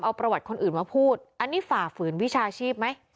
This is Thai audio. เอาประวัติคนอื่นมาพูดอันนี้ฝ่าฝืนวิชาชีพไหม